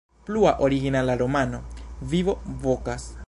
Plua originala romano: "Vivo Vokas".